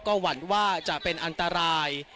ก็หวั่นว่าจะเป็นอันตราย